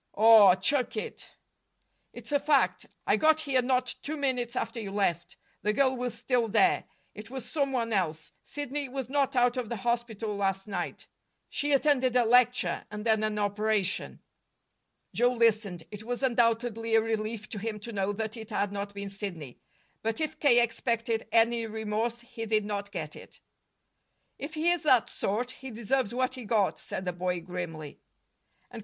"Aw, chuck it!" "It's a fact. I got here not two minutes after you left. The girl was still there. It was some one else. Sidney was not out of the hospital last night. She attended a lecture, and then an operation." Joe listened. It was undoubtedly a relief to him to know that it had not been Sidney; but if K. expected any remorse, he did not get it. "If he is that sort, he deserves what he got," said the boy grimly. And K.